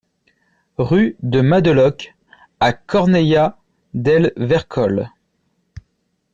Rue de Madeloc à Corneilla-del-Vercol